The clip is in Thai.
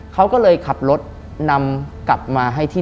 เขาก็เลยขับรถนำกลับมาให้ที่